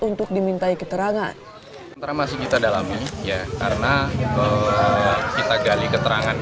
untuk dimintai keterangan